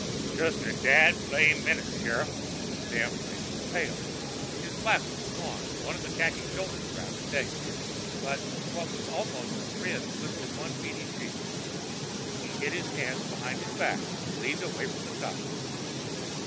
"Jest a dad blamed minute, Sheriff." Stump's face was pale, his glasses were gone and one khaki shoulder strap dangled but what was almost a grin twisted one meaty cheek. He hid his hands behind his back, leaned away from the cuffs.